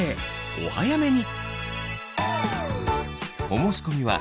お早めに！